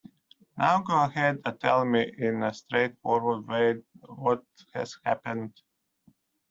Now go ahead and tell me in a straightforward way what has happened.